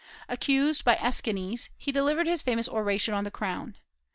Accused by Aeschines, he delivered his famous Oration on the Crown.